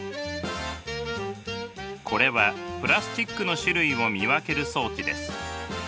これはプラスチックの種類を見分ける装置です。